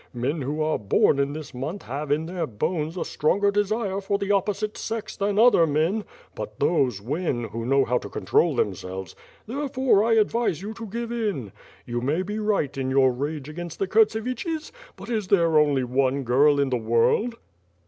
Men who are born in this month have in their bones a stronger desire for the op posite sex tlian other men; but those win, who know how to control themselves; therefore I advise you to give in. You may be right in your rage against the Kurtseviches, but is there only one girl in the world